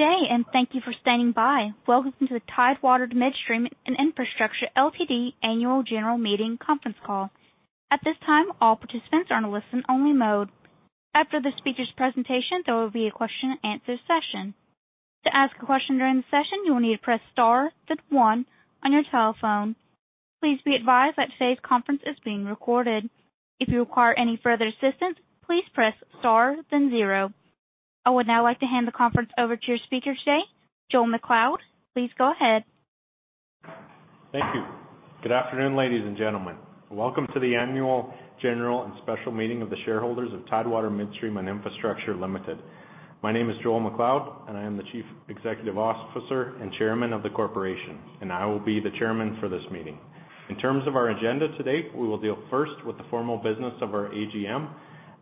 Good day, and thank you for standing by. Welcome to the Tidewater Midstream and Infrastructure Ltd. Annual General Meeting conference call. At this time, all participants are in listen-only mode. After the speaker's presentation, there will be a question and answer session. To ask a question during the session, you will need to press star then one on your telephone. Please be advised that today's conference is being recorded. If you require any further assistance, please press star then zero. I would now like to hand the conference over to your speaker today, Joel MacLeod. Please go ahead. Thank you. Good afternoon, ladies and gentlemen. Welcome to the annual general and special meeting of the shareholders of Tidewater Midstream and Infrastructure Ltd. My name is Joel MacLeod, and I am the Chief Executive Officer and Chairman of the corporation, and I will be the Chairman for this meeting. In terms of our agenda today, we will deal first with the formal business of our AGM,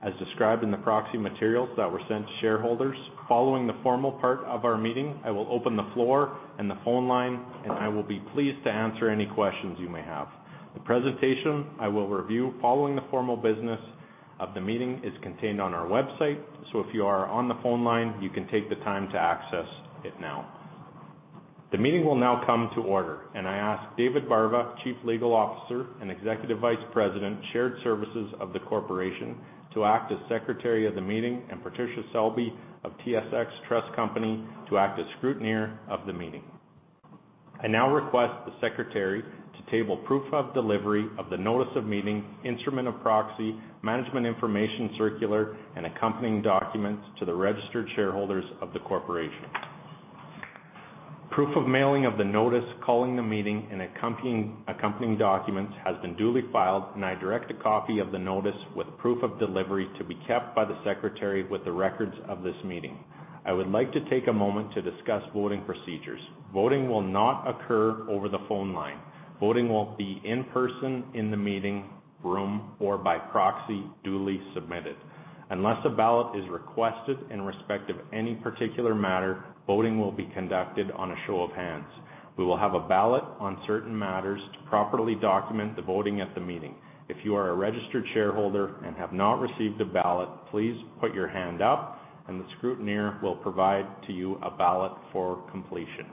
as described in the proxy materials that were sent to shareholders. Following the formal part of our meeting, I will open the floor and the phone line, and I will be pleased to answer any questions you may have. The presentation I will review following the formal business of the meeting is contained on our website. If you are on the phone line, you can take the time to access it now. The meeting will now come to order. I ask David Barva, Chief Legal Officer and Executive Vice President, Shared Services of the corporation, to act as secretary of the meeting and Patricia Selby of TSX Trust Company to act as scrutineer of the meeting. I now request the secretary to table proof of delivery of the notice of meeting, instrument of proxy, management information circular, and accompanying documents to the registered shareholders of the corporation. Proof of mailing of the notice calling the meeting and accompanying documents has been duly filed. I direct a copy of the notice with proof of delivery to be kept by the secretary with the records of this meeting. I would like to take a moment to discuss voting procedures. Voting will not occur over the phone line. Voting will be in person in the meeting room or by proxy duly submitted. Unless a ballot is requested in respect of any particular matter, voting will be conducted on a show of hands. We will have a ballot on certain matters to properly document the voting at the meeting. If you are a registered shareholder and have not received a ballot, please put your hand up and the scrutineer will provide to you a ballot for completion.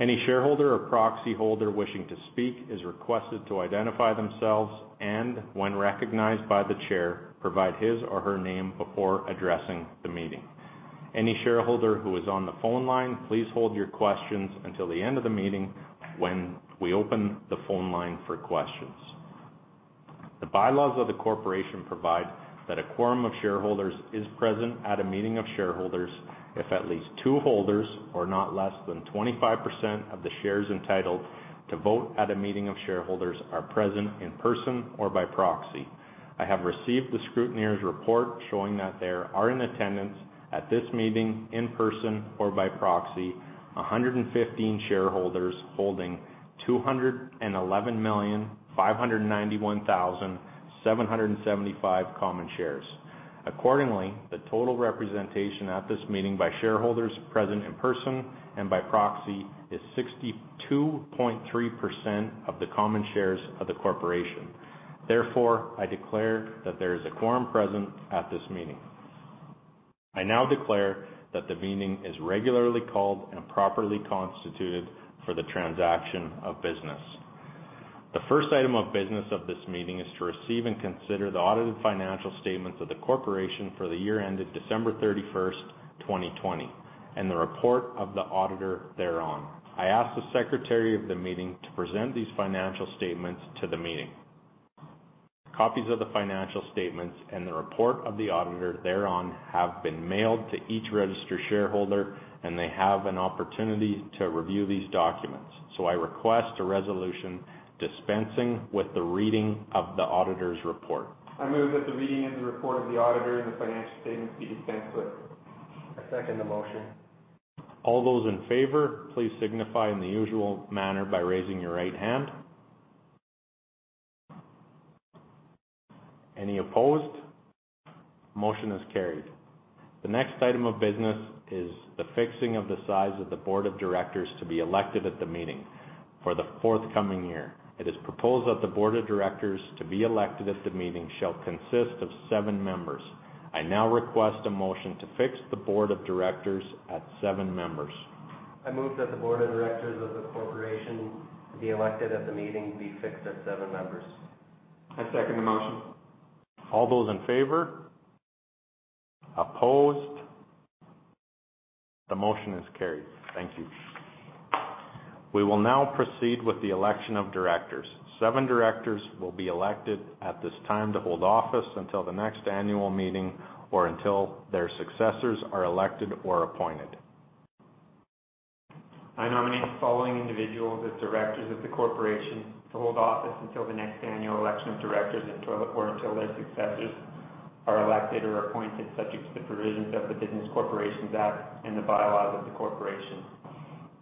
Any shareholder or proxy holder wishing to speak is requested to identify themselves and, when recognized by the chair, provide his or her name before addressing the meeting. Any shareholder who is on the phone line, please hold your questions until the end of the meeting when we open the phone line for questions. The bylaws of the corporation provide that a quorum of shareholders is present at a meeting of shareholders if at least two holders or not less than 25% of the shares entitled to vote at a meeting of shareholders are present in person or by proxy. I have received the scrutineer's report showing that there are in attendance at this meeting in person or by proxy 115 shareholders holding 211,591,775 common shares. Accordingly, the total representation at this meeting by shareholders present in person and by proxy is 62.3% of the common shares of the corporation. Therefore, I declare that there is a quorum present at this meeting. I now declare that the meeting is regularly called and properly constituted for the transaction of business. The first item of business of this meeting is to receive and consider the audited financial statements of the corporation for the year ended December 31st, 2020, and the report of the auditor thereon. I ask the secretary of the meeting to present these financial statements to the meeting. Copies of the financial statements and the report of the auditor thereon have been mailed to each registered shareholder, and they have an opportunity to review these documents. I request a resolution dispensing with the reading of the auditor's report. I move that the reading of the report of the auditor and the financial statements be dispensed with. I second the motion. All those in favor, please signify in the usual manner by raising your right hand. Any opposed? Motion is carried. The next item of business is the fixing of the size of the board of directors to be elected at the meeting for the forthcoming year. It is proposed that the board of directors to be elected at the meeting shall consist of seven members. I now request a motion to fix the board of directors at seven members. I move that the board of directors of the corporation to be elected at the meeting be fixed at seven members. I second the motion. All those in favor? Opposed? The motion is carried. Thank you. We will now proceed with the election of directors. Seven directors will be elected at this time to hold office until the next annual meeting or until their successors are elected or appointed. I nominate the following individuals as directors of the corporation to hold office until the next annual election of directors and thereafter until their successors are elected or appointed, subject to the provisions of the Business Corporations Act and the bylaws of the corporation.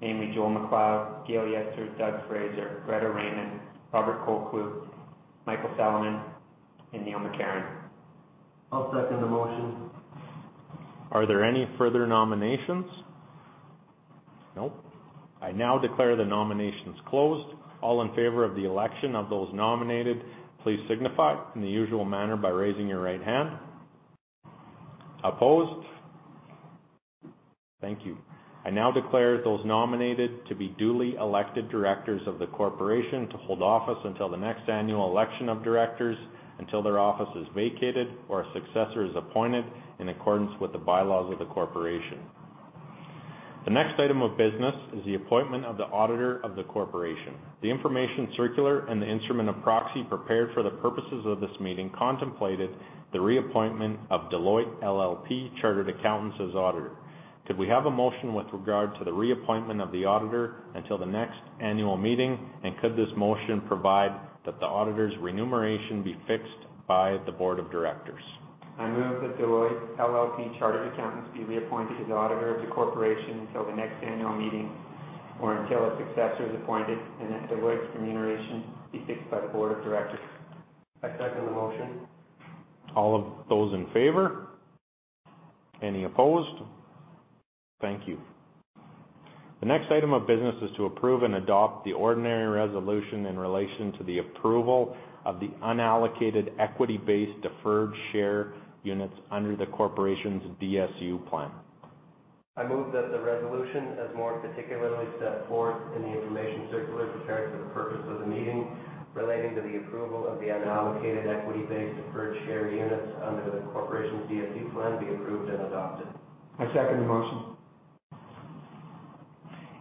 Namely, Joel MacLeod, Gail Yester, Doug Fraser, Greta Raymond, Robert Colcleugh, Michael Salamon, and Neil McCarron. I'll second the motion. Are there any further nominations? Nope. I now declare the nominations closed. All in favor of the election of those nominated, please signify in the usual manner by raising your right hand. Opposed? Thank you. I now declare those nominated to be duly elected directors of the corporation to hold office until the next annual election of directors, until their office is vacated or a successor is appointed in accordance with the bylaws of the corporation. The next item of business is the appointment of the auditor of the corporation. The information circular and the instrument of proxy prepared for the purposes of this meeting contemplated the reappointment of Deloitte LLP Chartered Accountants as auditor. Could we have a motion with regard to the reappointment of the auditor until the next annual meeting, and could this motion provide that the auditor's remuneration be fixed by the board of directors? I move that Deloitte LLP Chartered Accountants be reappointed as auditor of the corporation until the next annual meeting, or until a successor is appointed, and that Deloitte's remuneration be fixed by the board of directors. I second the motion. All of those in favor? Any opposed? Thank you. The next item of business is to approve and adopt the ordinary resolution in relation to the approval of the unallocated equity-based deferred share units under the corporation's DSU plan. I move that the resolution, as more particularly set forth in the information circular prepared for the purpose of the meeting, relating to the approval of the unallocated equity-based deferred share units under the corporation's DSU plan, be approved and adopted. I second the motion.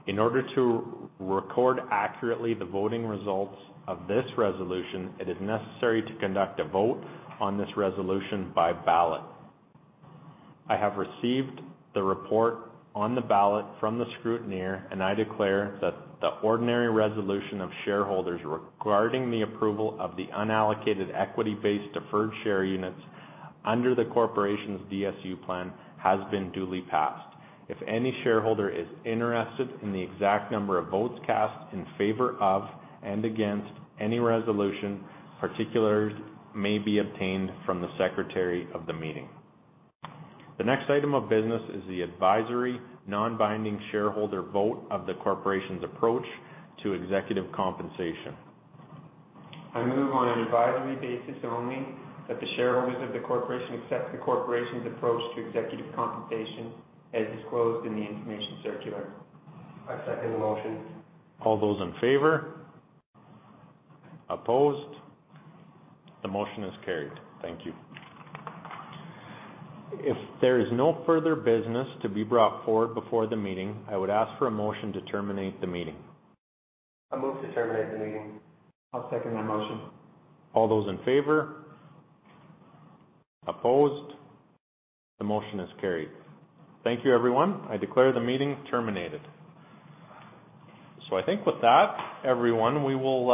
In order to record accurately the voting results of this resolution, it is necessary to conduct a vote on this resolution by ballot. I have received the report on the ballot from the scrutineer, and I declare that the ordinary resolution of shareholders regarding the approval of the unallocated equity-based deferred share units under the corporation's DSU plan has been duly passed. If any shareholder is interested in the exact number of votes cast in favor of and against any resolution, particulars may be obtained from the secretary of the meeting. The next item of business is the advisory non-binding shareholder vote of the corporation's approach to executive compensation. I move on an advisory basis only that the shareholders of the corporation accept the corporation's approach to executive compensation as disclosed in the information circular. I second the motion. All those in favor? Opposed? The motion is carried. Thank you. If there is no further business to be brought forward before the meeting, I would ask for a motion to terminate the meeting. I move to terminate the meeting. I'll second that motion. All those in favor? Opposed? The motion is carried. Thank you, everyone. I declare the meeting terminated. I think with that, everyone, we will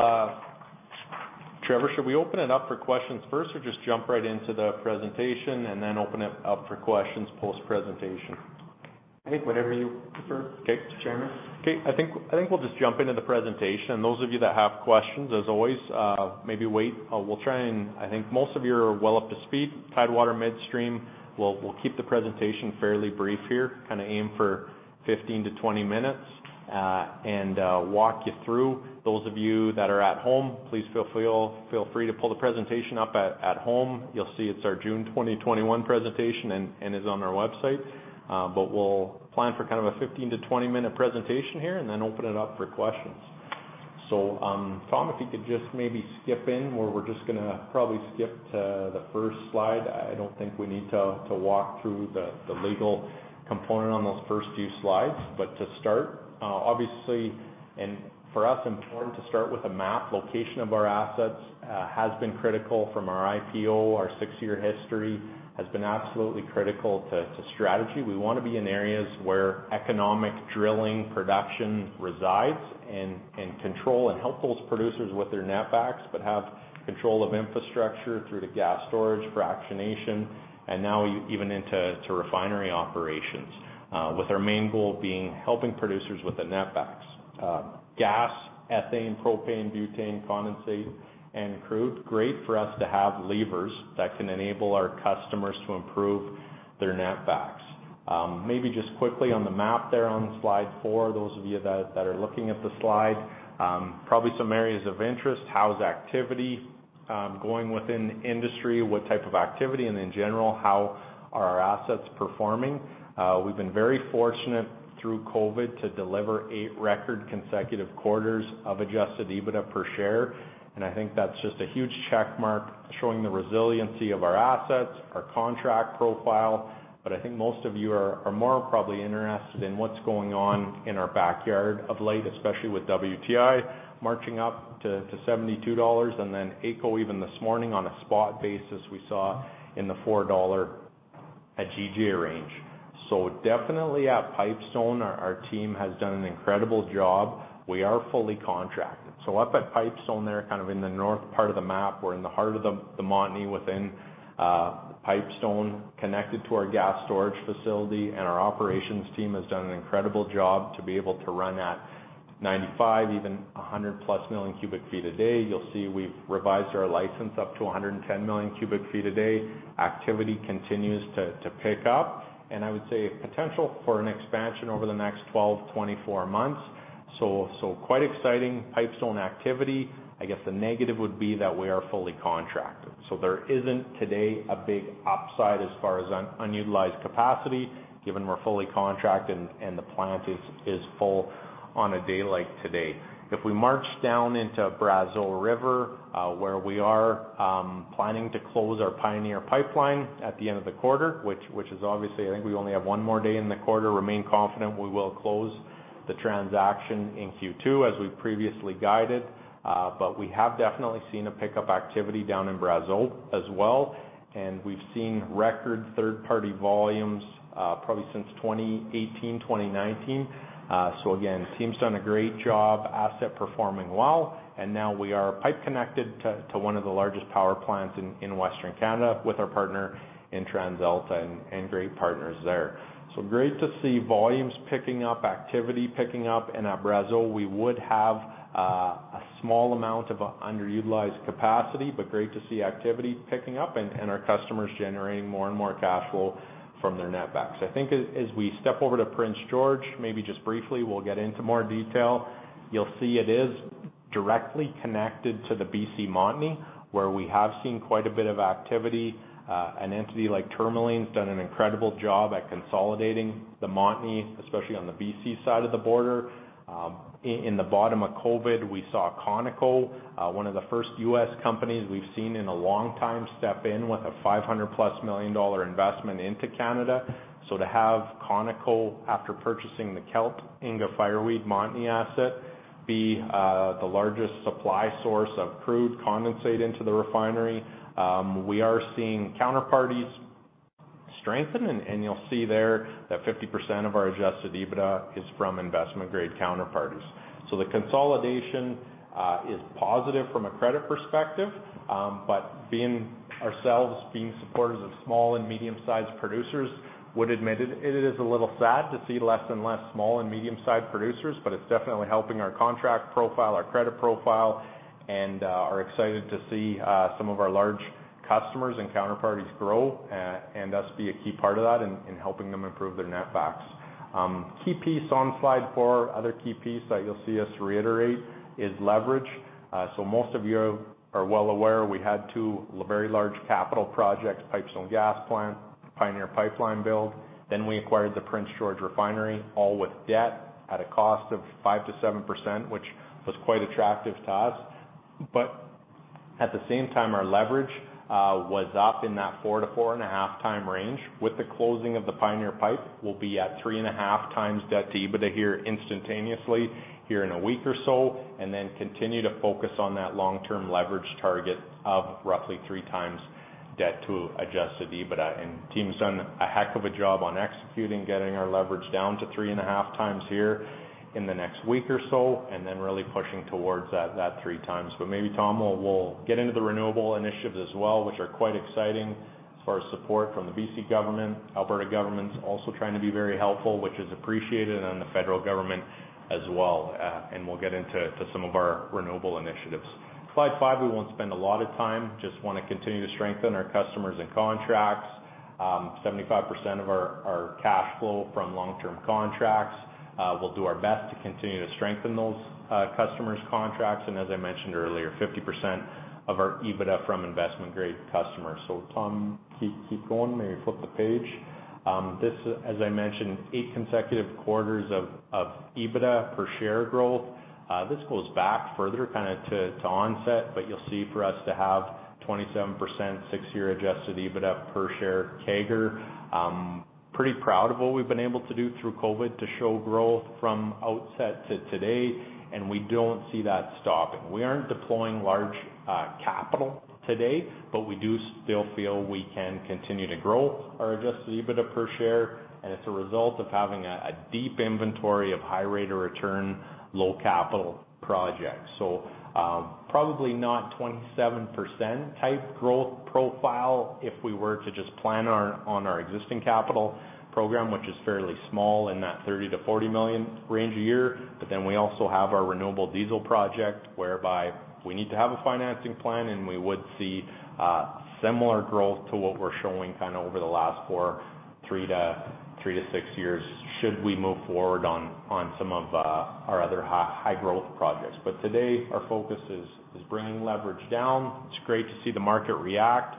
Trevor, should we open it up for questions first or just jump right into the presentation and then open it up for questions post-presentation? I think whatever you prefer, Chairman. Okay. I think we'll just jump into the presentation. Those of you that have questions, as always, maybe wait. I think most of you are well up to speed with Tidewater Midstream. We'll keep the presentation fairly brief here, aim for 15 to 20 minutes and walk you through. Those of you that are at home, please feel free to pull the presentation up at home. You'll see it's our June 2021 presentation and is on our website. We'll plan for a 15 to 20-minute presentation here and then open it up for questions. Tom, if you could just maybe skip in where we're just going to probably skip to the first slide. I don't think we need to walk through the legal component on those first two slides. To start, obviously, and for us, important to start with a map. Location of our assets has been critical from our IPO. Our six-year history has been absolutely critical to strategy. We want to be in areas where economic drilling production resides and control and help those producers with their netbacks, but have control of infrastructure through to gas storage, fractionation, and now even into refinery operations with our main goal being helping producers with the netbacks. Gas, ethane, propane, butane, condensate, and crude, great for us to have levers that can enable our customers to improve their netbacks. Maybe just quickly on the map there on slide four, those of you that are looking at the slide, probably some areas of interest. How's activity going within the industry? What type of activity? In general, how are our assets performing? We've been very fortunate through COVID to deliver eight record consecutive quarters of Adjusted EBITDA per share. I think that's just a huge checkmark showing the resiliency of our assets, our contract profile. I think most of you are more probably interested in what's going on in our backyard of late, especially with WTI marching up to $72. AECO even this morning on a spot basis, we saw in the 4 dollar a GJ range. Definitely at Pipestone, our team has done an incredible job. We are fully contracted. Up at Pipestone there in the north part of the map, we're in the heart of the Montney within Pipestone, connected to our gas storage facility. Our operations team has done an incredible job to be able to run at 95, even 100-plus million cubic feet a day. You'll see we've revised our license up to 110 million cubic feet a day. Activity continues to pick up. I would say a potential for an expansion over the next 12, 24 months. Quite exciting Pipestone activity. I guess a negative would be that we are fully contracted. There isn't today a big upside as far as unutilized capacity given we're fully contracted and the plant is full on a day like today. If we march down into Brazeau River, where we are planning to close our Pioneer Pipeline at the end of the quarter, which is obviously, I think we only have one more day in the quarter, remain confident we will close the transaction in Q2 as we previously guided. We have definitely seen a pickup activity down in Brazeau as well. We've seen record third-party volumes, probably since 2018, 2019. Again, team's done a great job, asset performing well, and now we are pipe connected to one of the largest power plants in Western Canada with our partner in TransAlta and great partners there. Great to see volumes picking up, activity picking up. At Brazeau, we would have a small amount of underutilized capacity, but great to see activity picking up and our customers generating more and more cash flow from their netbacks. I think as we step over to Prince George, maybe just briefly, we'll get into more detail. You'll see it is directly connected to the BC Montney, where we have seen quite a bit of activity. An entity like Tourmaline has done an incredible job at consolidating the Montney, especially on the BC side of the border. In the bottom of COVID, we saw Conoco, one of the first U.S. companies we've seen in a long time, step in with a 500+ million dollar investment into Canada. To have Conoco, after purchasing the Kelt, Inga/Fireweed Montney assets, be the largest supply source of crude condensate into the refinery. We are seeing counterparties strengthen, you'll see there that 50% of our Adjusted EBITDA is from investment-grade counterparties. The consolidation is positive from a credit perspective. Being supporters of small and medium-sized producers would admit it is a little sad to see less and less small and medium-sized producers, it's definitely helping our contract profile, our credit profile, and are excited to see some of our large customers and counterparties grow and us be a key part of that in helping them improve their netbacks. Key piece on slide four, other key piece that you'll see us reiterate is leverage. Most of you are well aware we had two very large capital projects, Pipestone gas plant, Pioneer Pipeline build. We acquired the Prince George Refinery, all with debt at a cost of 5%-7%, which was quite attractive to us. At the same time, our leverage was up in that 4-4.5 time range. With the closing of the Pioneer pipe, we'll be at 3.5x debt to EBITDA here instantaneously here in a week or so, and continue to focus on that long-term leverage target of roughly 3x debt to adjusted EBITDA. Team's done a heck of a job on executing, getting our leverage down to 3.5x here in the next week or so, then really pushing towards that 3x. Maybe, Tom, we'll get into the renewable initiatives as well, which are quite exciting as far as support from the BC government. Alberta government's also trying to be very helpful, which is appreciated, and the federal government as well. We'll get into some of our renewable initiatives. Slide five, we won't spend a lot of time. Just want to continue to strengthen our customers and contracts. 75% of our cash flow from long-term contracts. We'll do our best to continue to strengthen those customers contracts. As I mentioned earlier, 50% of our EBITDA from investment-grade customers. Tom, keep going. Maybe flip the page. This, as I mentioned, eight consecutive quarters of EBITDA per share growth. This goes back further to onset, but you'll see for us to have 27% six-year Adjusted EBITDA per share CAGR. I'm pretty proud of what we've been able to do through COVID to show growth from outset to today, and we don't see that stopping. We aren't deploying large capital today, but we do still feel we can continue to grow our Adjusted EBITDA per share as a result of having a deep inventory of high rate of return, low capital projects. Probably not 27% type growth profile if we were to just plan on our existing capital program, which is fairly small in that 30 million-40 million range a year. We also have our renewable diesel project, whereby we need to have a financing plan, and we would see similar growth to what we're showing over the last four, three to six years should we move forward on some of our other high-growth projects. Today, our focus is bringing leverage down. It's great to see the market react.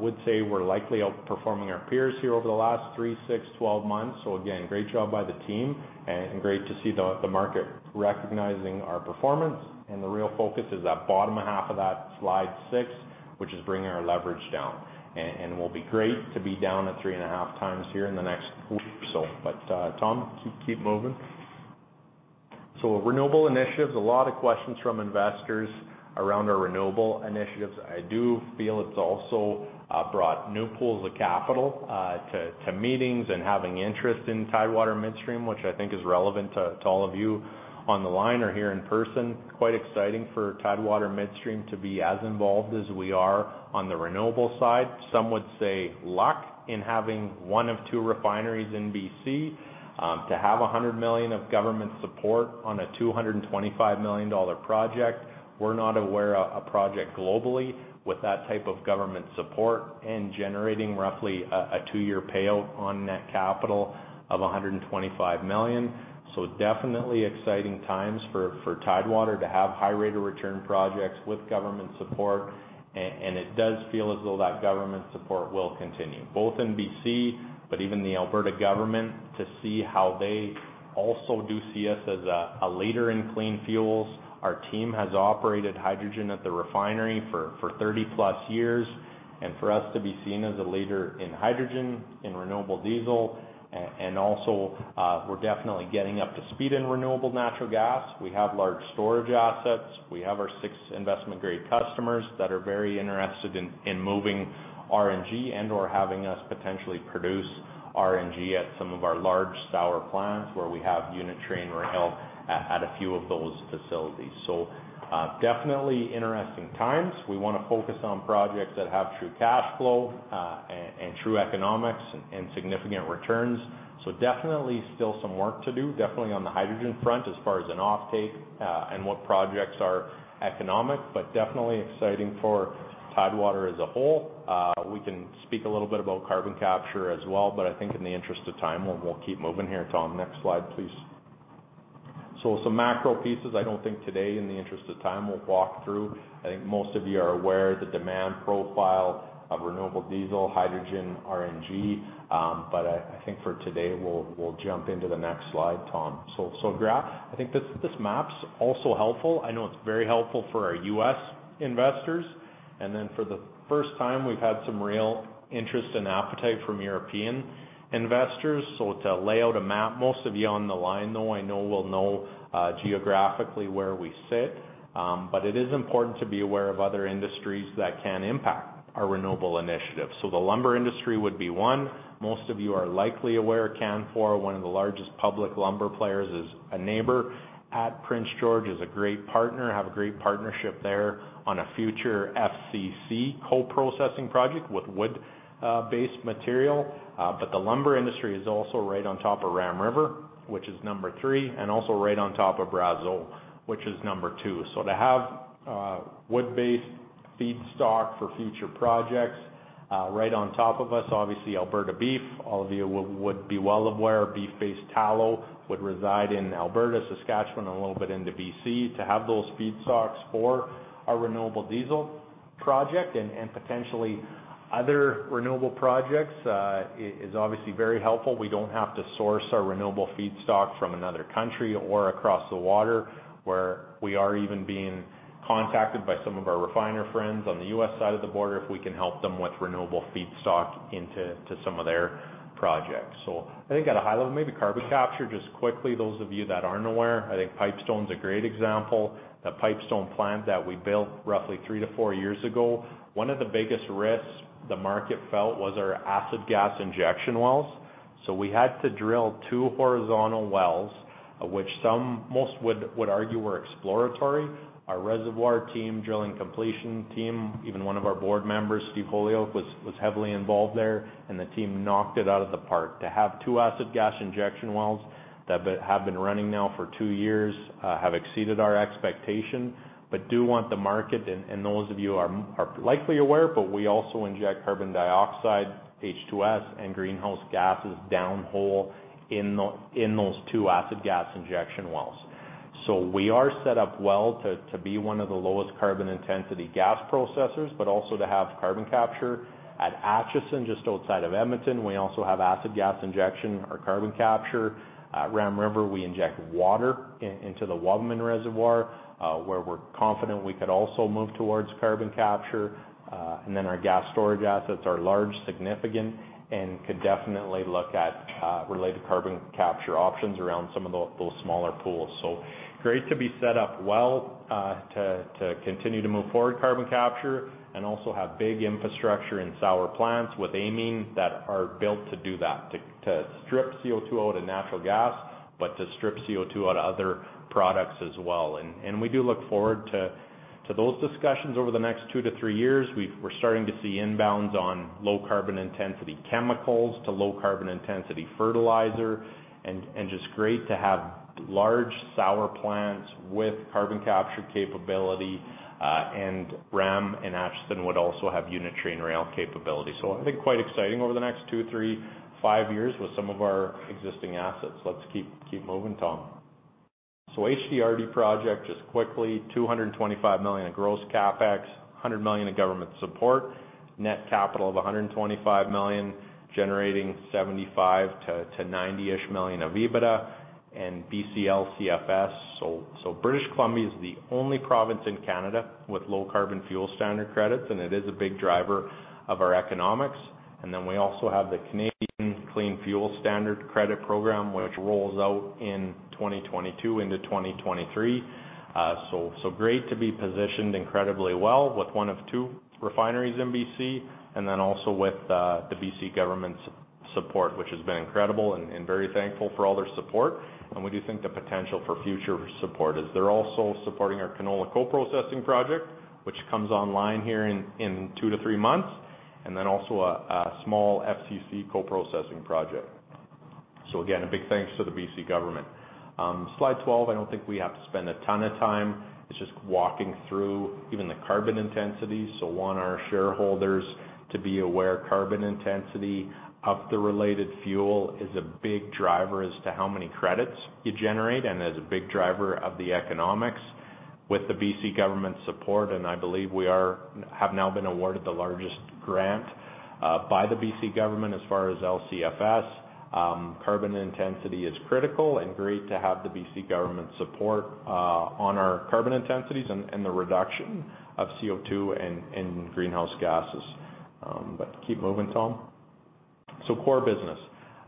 Would say we're likely outperforming our peers here over the last three, six, 12 months. Again, great job by the team and great to see the market recognizing our performance. The real focus is that bottom half of that slide six, which is bringing our leverage down. Will be great to be down at 3.5x here in the next week or so. Tom, keep moving. Renewable initiatives, a lot of questions from investors around our renewable initiatives. I do feel it's also brought new pools of capital to meetings and having interest in Tidewater Midstream, which I think is relevant to all of you on the line or here in person. Quite exciting for Tidewater Midstream to be as involved as we are on the renewable side. Some would say luck in having one of two refineries in BC. To have 100 million of government support on a 225 million dollar project, we're not aware of a project globally with that type of government support and generating roughly a two-year payout on net capital of 125 million. Definitely exciting times for Tidewater to have high rate of return projects with government support, it does feel as though that government support will continue. Both in BC, even the Alberta government to see how they also do see us as a leader in clean fuels. Our team has operated hydrogen at the refinery for 30+ years, and for us to be seen as a leader in hydrogen and renewable diesel, and also, we're definitely getting up to speed in renewable natural gas. We have large storage assets. We have our six investment-grade customers that are very interested in moving RNG and/or having us potentially produce RNG at some of our large sour plants where we have unit train rail at a few of those facilities. Definitely interesting times. We want to focus on projects that have true cash flow and true economics and significant returns. Definitely still some work to do, definitely on the hydrogen front as far as an offtake, and what projects are economic, but definitely exciting for Tidewater as a whole. We can speak a little bit about carbon capture as well. I think in the interest of time, we'll keep moving here. Tom, next slide, please. Some macro pieces I don't think today, in the interest of time, we'll walk through. I think most of you are aware of the demand profile of renewable diesel, hydrogen, RNG. I think for today, we'll jump into the next slide, Tom. Graph. I think this map's also helpful. I know it's very helpful for our U.S. investors. For the first time, we've had some real interest and appetite from European investors. To lay out a map, most of you on the line, though, I know will know geographically where we sit. It is important to be aware of other industries that can impact our renewable initiatives. The lumber industry would be one. Most of you are likely aware, Canfor, one of the largest public lumber players, is a neighbor at Prince George, is a great partner, have a great partnership there on a future FCC co-processing project with wood-based material. The lumber industry is also right on top of Ram River, which is number three, and also right on top of Brazeau, which is number two. To have wood-based feedstock for future projects right on top of us. Alberta beef, all of you would be well aware, beef-based tallow would reside in Alberta, Saskatchewan, a little bit into B.C. To have those feedstocks for our renewable diesel project and potentially other renewable projects is obviously very helpful. We don't have to source our renewable feedstock from another country or across the water, where we are even being contacted by some of our refiner friends on the U.S. side of the border, if we can help them with renewable feedstock into some of their projects. I think at a high level, maybe carbon capture just quickly, those of you that aren't aware, I think Pipestone is a great example. The Pipestone plant that we built roughly three to four years ago, one of the biggest risks the market felt was our acid gas injection wells. We had to drill two horizontal wells, which some, most would argue, were exploratory. Our reservoir team, drilling completion team, even one of our board members, Steve Holyoake, was heavily involved there, the team knocked it out of the park. To have two acid gas injection wells that have been running now for two years, have exceeded our expectation, but do want the market, and those of you are likely aware, but we also inject carbon dioxide, H2S, and greenhouse gases downhole in those two acid gas injection wells. We are set up well to be one of the lowest carbon intensity gas processors, but also to have carbon capture. At Acheson, just outside of Edmonton, we also have acid gas injection for carbon capture. At Ram River, we inject water into the Wabamun reservoir, where we're confident we could also move towards carbon capture. Our gas storage assets are large, significant, and could definitely look at related carbon capture options around some of those smaller pools. Great to be set up well to continue to move forward carbon capture and also have big infrastructure and sour plants with amines that are built to do that, to strip CO2 out of natural gas, but to strip CO2 out of other products as well. We do look forward to those discussions over the next two to three years. We're starting to see inbounds on low carbon intensity chemicals to low carbon intensity fertilizer, and just great to have large sour plants with carbon capture capability. Ram and Acheson would also have unit train rail capability. I think quite exciting over the next two, three, five years with some of our existing assets. Let's keep moving, Tom. HDRD project, just quickly, 225 million in gross CapEx, 100 million in government support, net capital of 125 million, generating 75 million-90-ish million of EBITDA. BCLCFS. British Columbia is the only province in Canada with low carbon fuel standard credits, and it is a big driver of our economics. We also have the Canadian Clean Fuel Standard Credit program, which rolls out in 2022 into 2023. Great to be positioned incredibly well with one of two refineries in BC and also with the BC government's support, which has been incredible and very thankful for all their support. We do think the potential for future support is there. Also supporting our canola coprocessing project, which comes online here in two to three months. Also a small FCC coprocessing project. Again, a big thanks to the BC government. Slide 12, I don't think we have to spend a ton of time. It's just walking through even the carbon intensity. Want our shareholders to be aware, carbon intensity of the related fuel is a big driver as to how many credits you generate and is a big driver of the economics with the BC government support. I believe we have now been awarded the largest grant by the BC government as far as LCFS. Carbon intensity is critical and great to have the BC government support on our carbon intensities and the reduction of CO2 and greenhouse gases. Keep moving, Tom. Core business.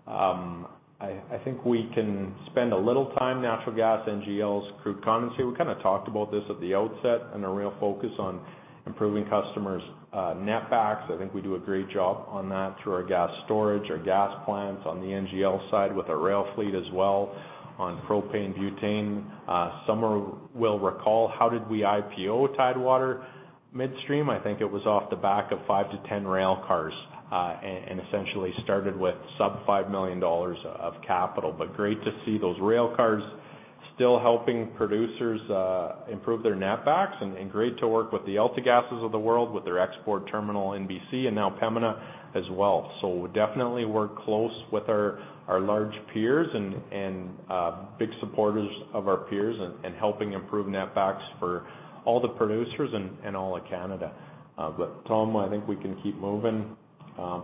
I think we can spend a little time. Natural gas, NGLs, crude commodities. We kind of talked about this at the outset and our real focus on improving customers' net backs. I think we do a great job on that through our gas storage, our gas plants on the NGL side with our rail fleet as well on propane butane. Some will recall, how did we IPO Tidewater Midstream? I think it was off the back of five to 10 railcars, and essentially started with sub 5 million dollars of capital. Great to see those railcars still helping producers improve their net backs and great to work with the AltaGas of the world, with their export terminal in BC and now Pembina as well. Definitely work close with our large peers and big supporters of our peers and helping improve net backs for all the producers and all of Canada. Tom, I think we can keep moving.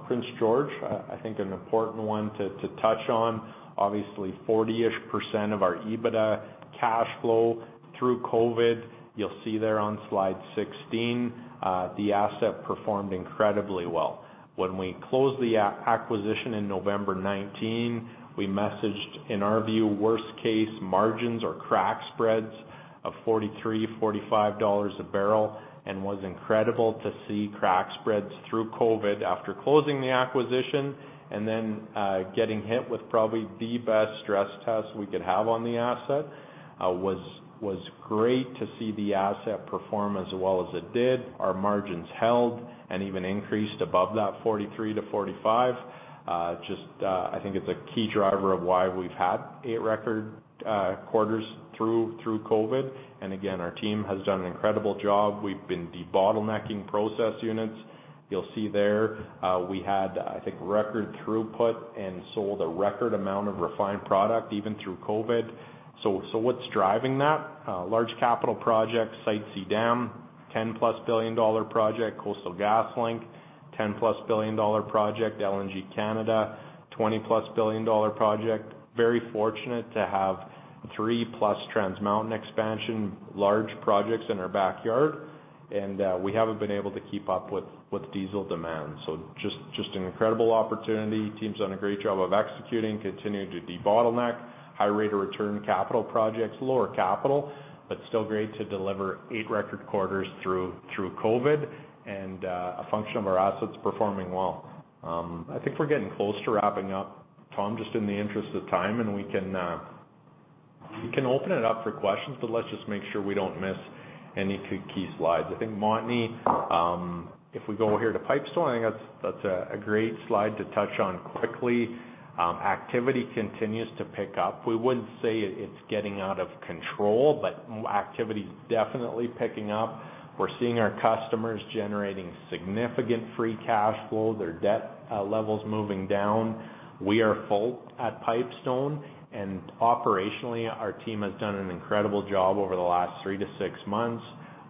Prince George, I think an important one to touch on. Obviously 40%-ish of our EBITDA cash flow through COVID. You'll see there on slide 16, the asset performed incredibly well. When we closed the acquisition in November 2019, we messaged, in our view, worst case margins or crack spreads of 43-45 dollars a barrel and was incredible to see crack spreads through COVID after closing the acquisition and then, getting hit with probably the best stress test we could have on the asset, was great to see the asset perform as well as it did. Our margins held and even increased above that 43-45. I think it's a key driver of why we've had eight record quarters through COVID. Again, our team has done an incredible job. We've been debottlenecking process units. You'll see there, we had, I think, record throughput and sold a record amount of refined product even through COVID. What's driving that? Large capital projects, Site C Dam, 10+ billion dollar project, Coastal GasLink, 10+ billion dollar project, LNG Canada, 20+ billion dollar project. Very fortunate to have 3+ Trans Mountain expansion, large projects in our backyard. We haven't been able to keep up with diesel demand. Just an incredible opportunity. Team's done a great job of executing, continuing to debottleneck, high rate of return capital projects, lower capital, but still great to deliver eight record quarters through COVID and a function of our assets performing well. I think we're getting close to wrapping up, Tom, just in the interest of time, and we can open it up for questions, but let's just make sure we don't miss any key slides. I think Montney, if we go here to Pipestone, I think that's a great slide to touch on quickly. Activity continues to pick up. We wouldn't say it's getting out of control, but activity is definitely picking up. We're seeing our customers generating significant free cash flow, their debt levels moving down. We are full at Pipestone and operationally, our team has done an incredible job over the last three to six months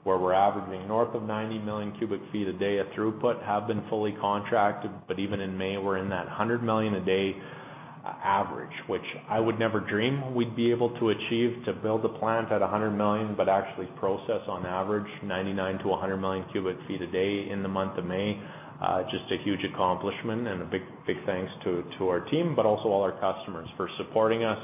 where we're averaging north of 90 million cubic feet a day of throughput, have been fully contracted, but even in May, we're in that 100 million a day average, which I would never dream we'd be able to achieve to build a plant at 100 million, but actually process on average 99 to 100 million cubic feet a day in the month of May. Just a huge accomplishment and a big thanks to our team, but also all our customers for supporting us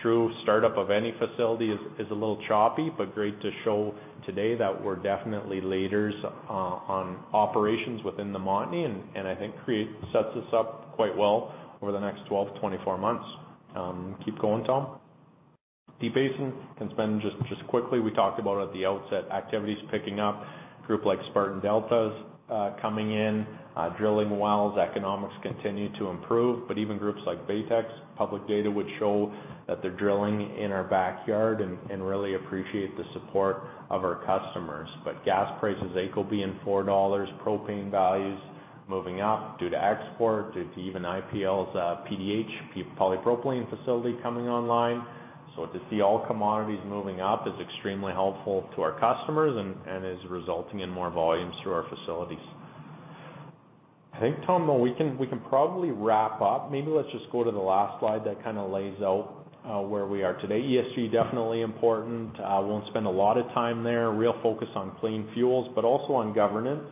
through. Startup of any facility is a little choppy, but great to show today that we're definitely leaders, on operations within the Montney and I think sets us up quite well over the next 12 to 24 months. Keep going, Tom. Deep Basin can spend just quickly, we talked about at the outset, activity is picking up. Group like Spartan Delta is coming in, drilling wells, economics continue to improve, even groups like Baytex, public data would show that they're drilling in our backyard and really appreciate the support of our customers. Gas prices, AECO and 4 dollars, propane values moving up due to export, due to even IPL's PDH polypropylene facility coming online. To see all commodities moving up is extremely helpful to our customers and is resulting in more volumes through our facilities. I think, Tom, we can probably wrap up. Maybe let's just go to the last slide that lays out where we are today. ESG, definitely important. Won't spend a lot of time there. Real focus on clean fuels, also on governance,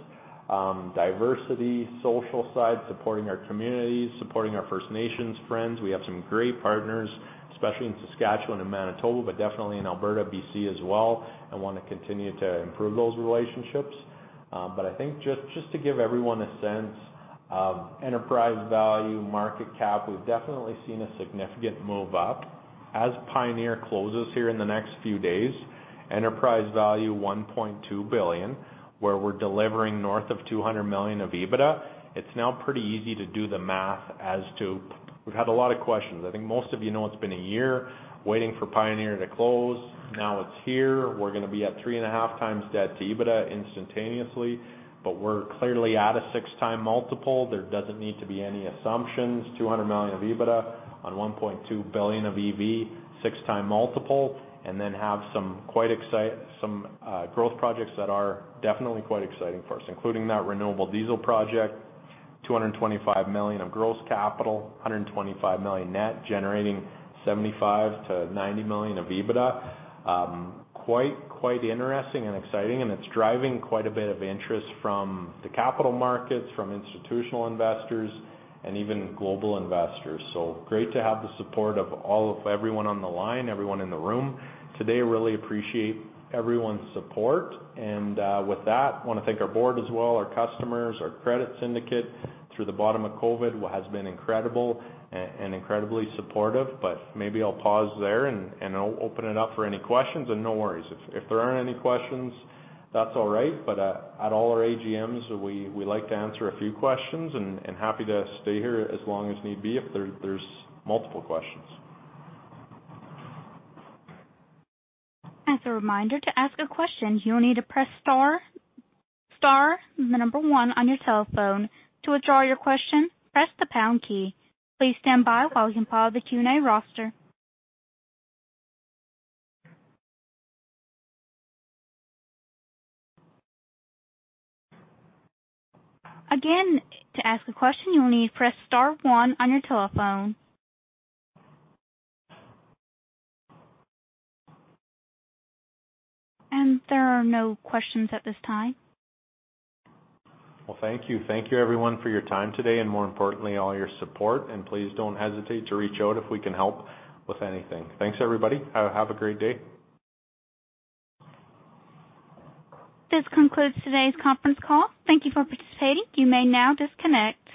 diversity, social side, supporting our communities, supporting our First Nations friends. We have some great partners, especially in Saskatchewan and Manitoba, definitely in Alberta, B.C. as well, want to continue to improve those relationships. I think just to give everyone a sense of enterprise value, market cap, we've definitely seen a significant move up. As Pioneer closes here in the next few days, enterprise value 1.2 billion, where we're delivering north of 200 million of EBITDA. It's now pretty easy to do the math. We've had a lot of questions. I think most of you know it's been a year waiting for Pioneer to close. Now it's here. We're going to be at 3.5 times debt to EBITDA instantaneously, but we're clearly at a 6-time multiple. There doesn't need to be any assumptions. 200 million of EBITDA on 1.2 billion of EV, 6-time multiple, and then have some growth projects that are definitely quite exciting for us, including that renewable diesel project, 225 million of gross capital, 125 million net, generating 75 million-90 million of EBITDA. Quite interesting and exciting, and it's driving quite a bit of interest from the capital markets, from institutional investors, and even global investors. Great to have the support of everyone on the line, everyone in the room today. Really appreciate everyone's support. With that, want to thank our board as well, our customers, our credit syndicate through the bottom of COVID, who has been incredible and incredibly supportive. Maybe I'll pause there, and I'll open it up for any questions. No worries. If there aren't any questions, that's all right. At all our AGMs, we like to answer a few questions, and happy to stay here as long as need be if there's multiple questions. As a reminder, to ask a question, you'll need to press star, number one on your cellphone. To withdraw your question, press the pound key. Please stand by while I compile the Q&A roster. Again, to ask a question, you'll need to press star one on your telephone. And there are no questions at this time. Well, thank you. Thank you everyone for your time today, and more importantly, all your support, and please don't hesitate to reach out if we can help with anything. Thanks, everybody. Have a great day. This concludes today's conference call. Thank you for participating. You may now disconnect.